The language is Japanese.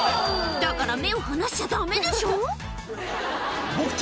だから目を離しちゃダメでしょボク